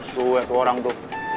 tuh ada orang tuh